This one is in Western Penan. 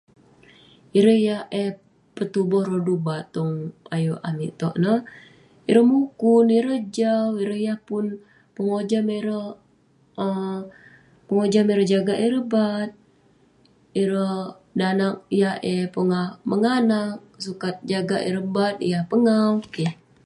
Ireh yah eh petuboh rodu bat tong ayuk amik touk ineh...ireh mukun, ireh jau, ireh yah pun pengojam ireh..[um] pengojam ireh jaga'k ireh yah bat, ireh danag yah eh pongah menganak..sukat jaga'k ireh bat yah pengauw...keh.